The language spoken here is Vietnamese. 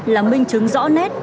là minh chứng rõ nét